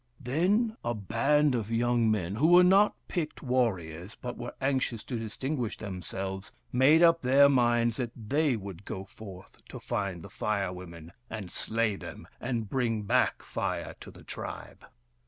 Then a band of young men, who were not picked warriors, but were anxious to distinguish themselves, made up their minds that they would go forth to find the Fire Women and slay them, and bring back Fire to the tribe.